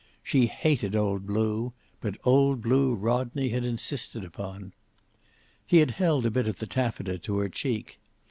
She hated old blue, but old blue Rodney had insisted upon. He had held a bit of the taffeta to her cheek.